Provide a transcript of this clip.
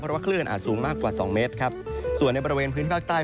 เพราะว่าคลื่นอาจสูงมากกว่าสองเมตรครับส่วนในบริเวณพื้นที่ภาคใต้